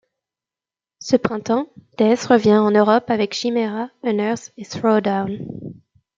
Ce printemps, Dååth revient en Europe avec Chimaira, Unearth, et Throwdown.